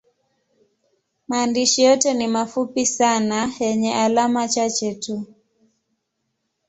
Maandishi yote ni mafupi sana yenye alama chache tu.